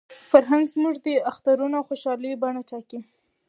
فرهنګ زموږ د اخترونو او خوشالیو بڼه ټاکي.